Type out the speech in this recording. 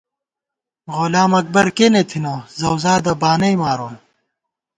غلام اکبر کېنے تھنہ ، زؤزادہ بانئی مارون